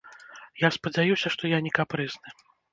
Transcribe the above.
Я спадзяюся, што я не капрызны.